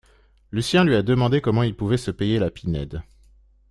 Lucien lui a demandé comment il pouvait se payer la Pinède